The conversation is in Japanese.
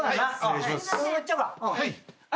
はい。